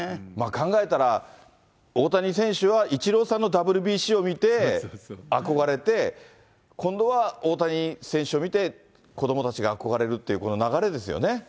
考えたら、大谷選手はイチローさんのＷＢＣを見て、憧れて、今度は大谷選手を見て、子どもたちが憧れるというこの流れですよね。